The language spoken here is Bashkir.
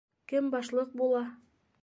Кем башлыҡ була?